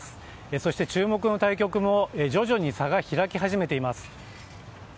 そして注目の対局も徐々に差が開き始めています。